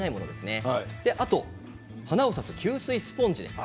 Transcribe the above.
そこに花を挿す吸水スポンジですね。